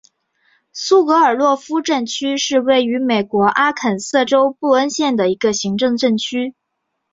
苏格尔洛夫镇区是位于美国阿肯色州布恩县的一个行政镇区。